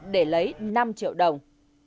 để lấy năm triệu đồng